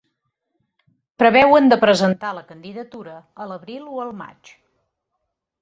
Preveuen de presentar la candidatura a l’abril o al maig.